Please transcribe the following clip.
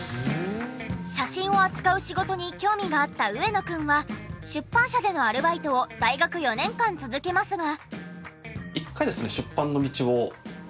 写真を扱う仕事に興味があった上野くんは出版社でのアルバイトを大学４年間続けますが。